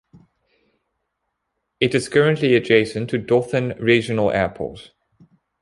It is currently adjacent to Dothan Regional Airport.